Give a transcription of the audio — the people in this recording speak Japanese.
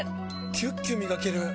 キュッキュ磨ける！